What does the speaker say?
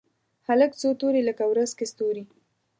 هلک څو توري لکه ورځ کې ستوري